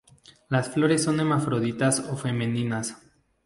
Las flores son hermafroditas o femeninas.